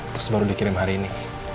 terus baru dikirim hari ini